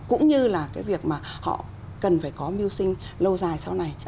cũng như là cái việc mà họ cần phải có mưu sinh lâu dài sau này